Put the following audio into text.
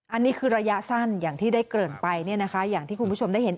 อันนี้คือระยะสั้นอย่างที่ได้เกริ่นไปเนี่ยนะคะอย่างที่คุณผู้ชมได้เห็น